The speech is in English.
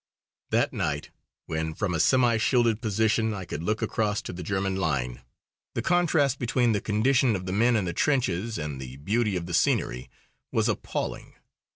That night, when from a semi shielded position I could look across to the German line, the contrast between the condition of the men in the trenches and the beauty of the scenery was appalling.